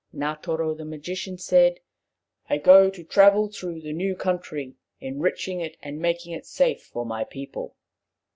Ngatoro the magician said :" I go to travel through the new country, enriching it and making it safe for my people."